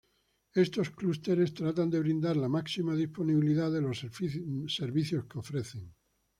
Estos clústeres tratan de brindar la máxima disponibilidad de los servicios que ofrecen.